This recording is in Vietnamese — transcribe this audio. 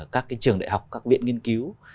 các trường đại học các viện nghiên cứu